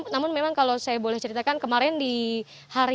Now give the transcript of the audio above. namun memang kalau saya boleh ceritakan kemarin di hari